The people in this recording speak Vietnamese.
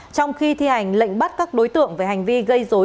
trong khi thi hành lệnh bắt các đối tượng về hành vi gây dối